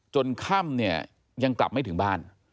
ค่ำเนี่ยยังกลับไม่ถึงบ้าน